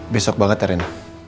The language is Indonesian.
besok banget ya ren